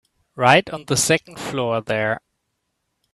Right on the second floor there.